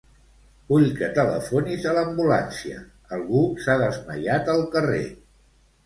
Vull que telefonis a l'ambulància; algú s'ha desmaiat al carrer.